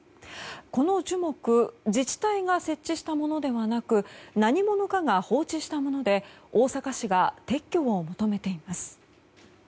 この樹木自治体が設置したものではなく何者かが放置したもので大阪市が撤去を求めています。